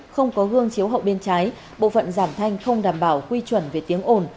không có gương chiếu hậu bên trái bộ phận giảm thanh không đảm bảo quy chuẩn về tiếng ồn